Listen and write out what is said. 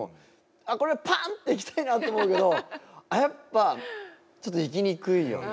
あっこれはパンっていきたいなと思うけどやっぱちょっといきにくいよね。